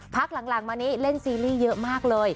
พักหลังมานี้เล่นซีรีส์เยอะมากเลย